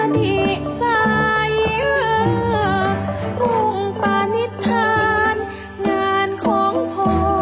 อธิสัยภูมิปฏิษฐานงานของพ่อ